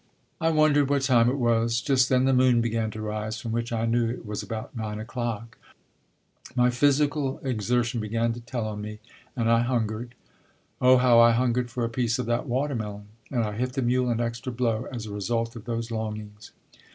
I wondered what time it was. Just then the moon began to rise, from which I knew it was about 9 o'clock. My physical exertion began to tell on me and I hungered. Oh, how I hungered for a piece of that watermelon! And I hit the mule an extra blow as a result of those longings.